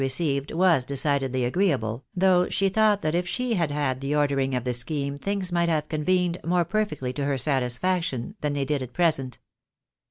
received was decidedly agreeable, though she thought that if she had had the ordering of the scheme, things might have " convened " .more perfectly to her satisfaction than they did at present.